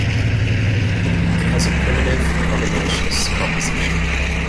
It has a primitive carbonaceous composition.